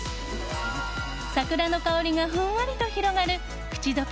桜の香りがふんわりと広がる口溶け